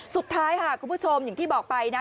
สุดท้ายค่ะคุณผู้ชมอย่างที่บอกไปนะ